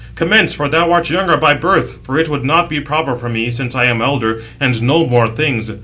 Commence, for thou art younger by birth; for it would not be proper for me, since I am elder, and know more things.